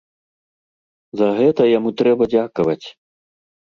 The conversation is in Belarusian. За гэта яму трэба дзякаваць!